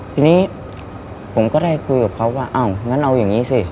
ทีนี้ผมก็ได้คุยกับเขาว่าอ้าวงั้นเอาอย่างนี้สิ